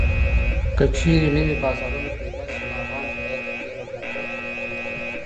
که چېرې نوي بازارونه پېدا شي نو افغان تولیدات به ډېره ګټه وکړي.